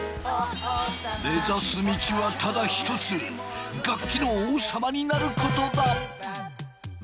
目指す道はただ一つ楽器の王様になることだ！